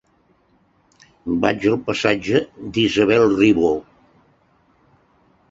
Vaig al passatge d'Isabel Ribó.